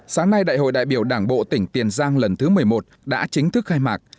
sáng nay đại hội đại biểu đảng bộ tỉnh tiền giang lần thứ một mươi một đã chính thức khai mạc